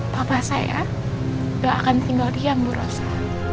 papa saya gak akan tinggal diam bu rosa